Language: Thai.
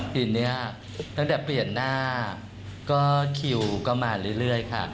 ทีนี้ตั้งแต่เปลี่ยนหน้าก็คิวก็มาเรื่อยค่ะ